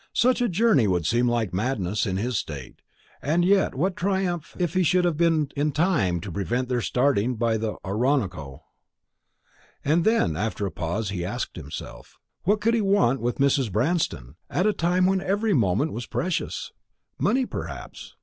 Such a journey would seem like madness, in his state; and yet what a triumph if he should have been in time to prevent their starting by the Oronoco!" And then, after a pause, he asked himself, "What could he want with Mrs. Branston, at a time when every moment was precious? Money, perhaps.